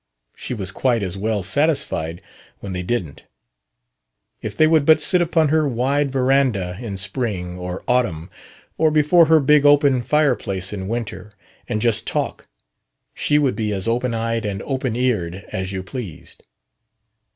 She was quite as well satisfied when they didn't. If they would but sit upon her wide veranda in spring or autumn, or before her big open fireplace in winter and "just talk," she would be as open eyed and open eared as you pleased.